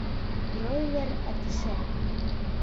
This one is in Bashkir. Бройлер әтәсе!